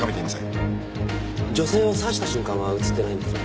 女性を刺した瞬間は映ってないんですね？